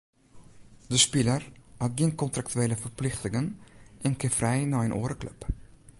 De spiler hat gjin kontraktuele ferplichtingen en kin frij nei in oare klup.